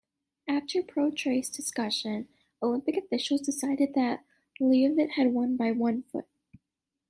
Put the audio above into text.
After protracted discussion, Olympic officials decided that Leavitt had won by one foot.